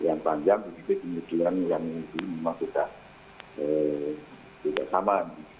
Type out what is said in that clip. yang panjang kemudian yang ini memang sudah sama